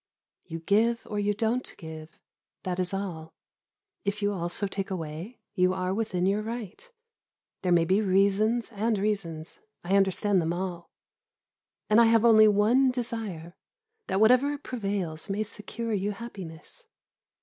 You give or you don't give, that is all; if you also take away, you are within your right. There may be reasons and reasons, I understand them all; and I have only one desire, that whatever prevails may secure you happiness.